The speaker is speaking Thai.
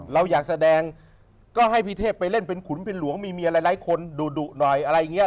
เราอยากแสดงก็ให้พี่เทพไปเล่นเป็นขุนเป็นหลวงมีอะไรหลายคนดุหน่อยอะไรอย่างนี้